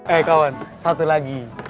eh kawan satu lagi